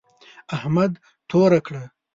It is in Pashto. احمد توره کړه.